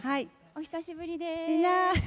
お久しぶりです。